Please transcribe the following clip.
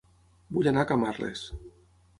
Vull anar a Camarles